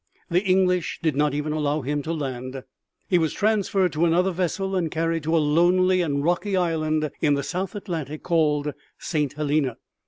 The English did not even allow him to land. He was transferred to another vessel and carried to a lonely and rocky island in the south Atlantic called St. Helena.